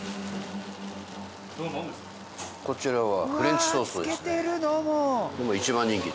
こちらは。